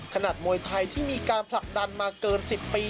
มวยไทยที่มีการผลักดันมาเกิน๑๐ปี